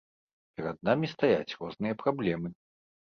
Перад намі стаяць розныя праблемы.